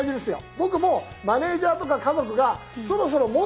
僕もマネージャーとか家族がそろそろ持って下さいと。